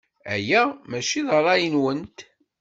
Aya maci d ṛṛay-nwent.